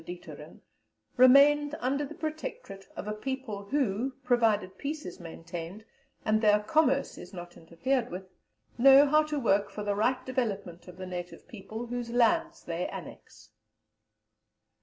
Dieterlen, "remained under the Protectorate of a people who, provided peace is maintained, and their commerce is not interfered with, know how to work for the right development of the native people whose lands they annex."